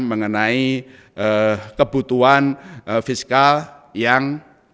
mengenai kebutuhan fiskal yang